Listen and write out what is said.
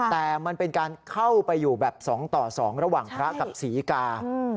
แต่มันเป็นการเข้าไปอยู่แบบ๒ต่อ๒ระหว่างพระกับศรีกา